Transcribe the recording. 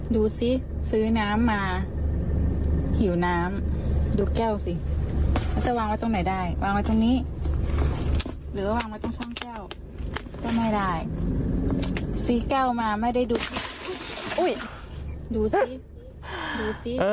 ดูสิซื้อน้ำมาหิวน้ำดูแก้วสิแล้วจะวางไว้ตรงไหนได้วางไว้ตรงนี้หรือว่าวางไว้ตรงช่องแก้วก็ไม่ได้ซื้อแก้วมาไม่ได้ดูอุ้ยดูสิดูสิ